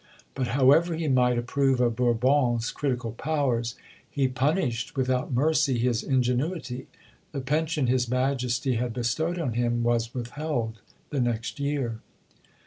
But however he might approve of Bourbon's critical powers, he punished without mercy his ingenuity. The pension his majesty had bestowed on him was withheld the next year.